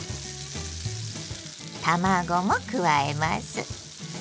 卵も加えます。